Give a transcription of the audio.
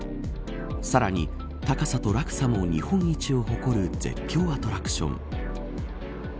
さらに高さと落差も日本一を誇る絶叫アトラクション。